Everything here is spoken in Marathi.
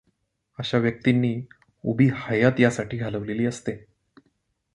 अशा व्यक्तींनी उभी हयात यासाठी घालविलेली असते.